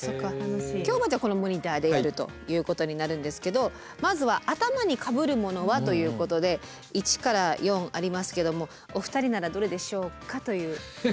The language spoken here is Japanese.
今日はじゃあこのモニターでやるということになるんですけどまずは「頭にかぶるものは？」ということで１から４ありますけどもお二人ならどれでしょうかという。